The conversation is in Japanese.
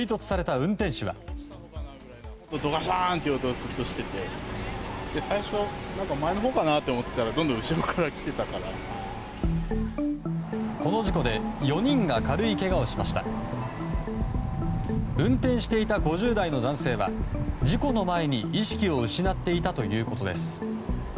運転していた５０代の男性は事故の前に意識を失っていたということです。